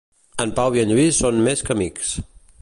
En Pau i en Lluís són més que amics.